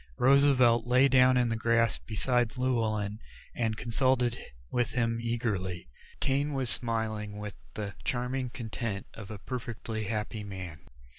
Roosevelt lay down in the grass beside Llewellyn and consulted with him eagerly. Kane was smiling with the charming content of a perfectly happy man.